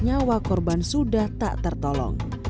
nyawa korban sudah tak tertolong